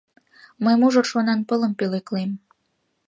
Мый мужыр шонанпылым пӧлеклем.